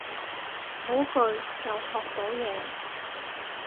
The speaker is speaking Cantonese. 好句，又學到嘢